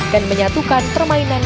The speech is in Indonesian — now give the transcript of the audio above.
dan menyatakan kekuatan